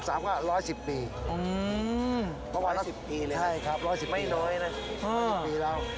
เพราะว่าไม่น้อยนะ๑๑๐ปีแล้วครับ๑๑๐ปีแล้ว